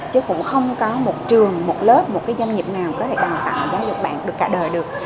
chứ cũng không có một trường một lớp một cái doanh nghiệp nào có thể đào tạo giáo dục bạn được cả đời được